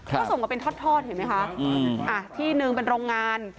ก็ส่งมาเป็นทอดเห็นไหมคะที่หนึ่งเป็นโรงงาน